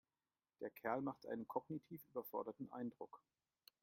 Der Kerl macht einen kognitiv überforderten Eindruck.